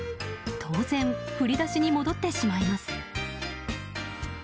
当然、振り出しに戻ってしまいます。